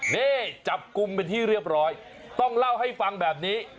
นี่จับกลุ่มเป็นที่เรียบร้อยต้องเล่าให้ฟังแบบนี้